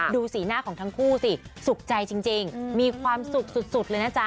ดูสีหน้าของทั้งคู่สิสุขใจจริงมีความสุขสุดเลยนะจ๊